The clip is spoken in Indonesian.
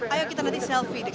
ayo kita nanti selfie